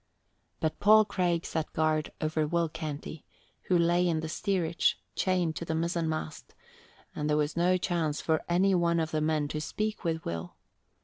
But Paul Craig sat guard over Will Canty, who lay in the steerage chained to the mizzenmast, and there was no chance for any one of the men to speak with Will.